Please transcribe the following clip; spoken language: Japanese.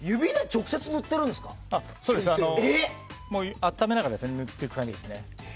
温めながら塗っていく感じです。